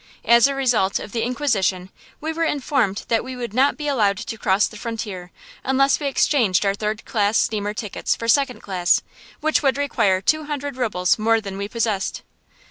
As a result of the inquisition we were informed that we would not be allowed to cross the frontier unless we exchanged our third class steamer ticket for second class, which would require two hundred rubles more than we possessed.